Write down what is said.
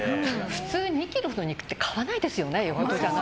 普通２ｋｇの肉って買わないですよね